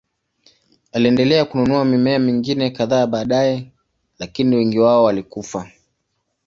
Aliendelea kununua mimea mingine kadhaa baadaye, lakini wengi wao walikufa.